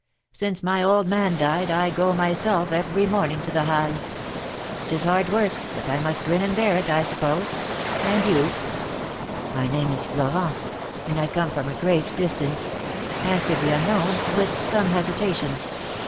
Since my old man died, I go myself every morning to the Halles. It is hard work, but I must grin and bear it, I suppose. And you?" '^My name is Florent, and I come from a great distance," answered the unknown, with some hesitation.